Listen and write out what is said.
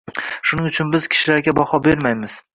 Shuning uchun biz kishilarga baho bermaymiz.